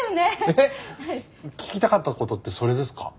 えっ聞きたかった事ってそれですか？